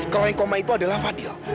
kalau koma itu adalah fadil